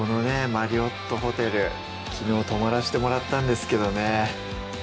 マリオットホテル昨日泊まらしてもらったんですけどね